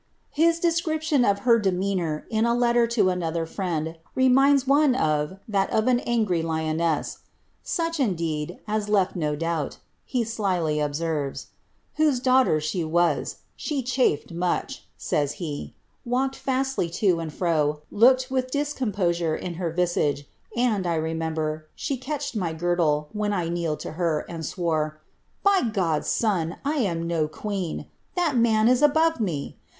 His description of her demean Dor, in a letter to another friend, reminds one of that of an angry lion BK) ^ such, indeed, as left no doubt,'' he slily observes, <^ whose daughter ihe was. She chafed much," says he, ^' walked fastly to and fro) looked, inth discomposure in her visage, and, I remember, she catched my gir lie, when I kneeled to her, and swore, ^ By God's Son, I am no queen !— that man is above me